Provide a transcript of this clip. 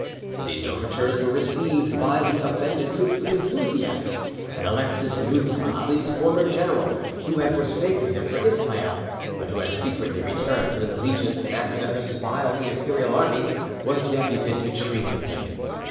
These overtures were received by the offended troops with enthusiasm, and Alexis Noutza, Ali's former general, who had forsaken him for Ismail, but who had secretly returned to his allegiance and acted as a spy on the Imperial army, was deputed to treat with him.